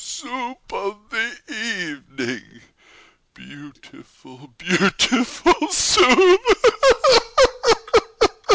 Soo oop of the e e evening, Beautiful, beauti FUL SOUP!